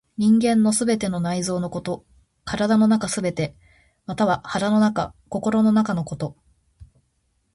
人間の全ての内臓のこと、体の中すべて、または腹の中、心の中のこと。